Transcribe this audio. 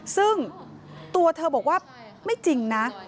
ซึ่งตัวเธอบอกว่าไม่จริงนะ